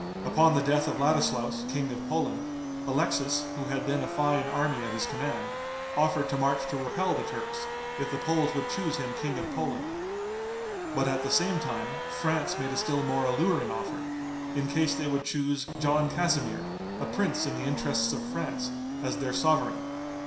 Upon the death of Ladislaus, King of Poland, Alexis, who had then a fine army at his command, offered to march to repel the Turks, if the Poles would choose him King of Poland. But at the same time France made a still more alluring offer, in case they would choose John Casimir, a prince in the interests of France, as their sovereign.